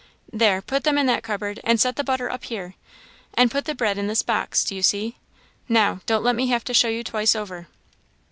There, put them in that cupboard, and set the butter up here, and put the bread in this box, do you see? now don't let me have to show you twice over."